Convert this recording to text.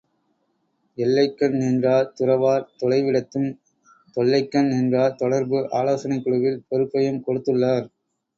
எல்லைக்கண் நின்றார் துறவார் தொலை விடத்தும் தொல்லைக்கண் நின்றார் தொடர்பு ஆலோசனைக் குழுவில் பொறுப்பையும் கொடுத்துள்ளார்.